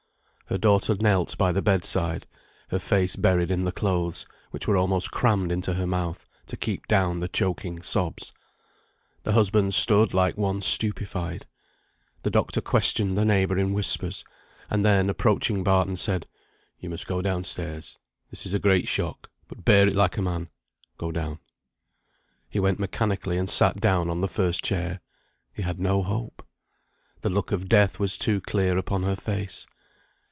Her daughter knelt by the bed side, her face buried in the clothes, which were almost crammed into her mouth, to keep down the choking sobs. The husband stood like one stupified. The doctor questioned the neighbour in whispers, and then approaching Barton, said, "You must go down stairs. This is a great shock, but bear it like a man. Go down." He went mechanically and sat down on the first chair. He had no hope. The look of death was too clear upon her face.